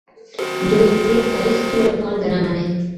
دوی د تېر تاریخ ټوله پانګه نه مني.